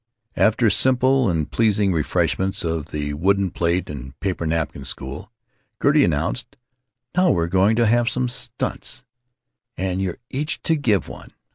After simple and pleasing refreshments of the wooden plate and paper napkin school, Gertie announced: "Now we're going to have some stunts, and you're each to give one.